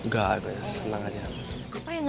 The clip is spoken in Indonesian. kau main aja tadi nyanyi nyanyi gak